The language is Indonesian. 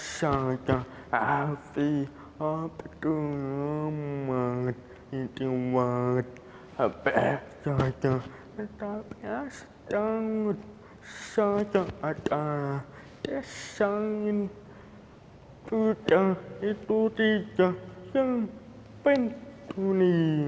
saya sangat ingin mencari desain yang tidak terlalu penting